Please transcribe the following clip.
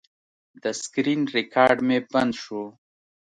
د سکرین ریکارډ مې بند شو.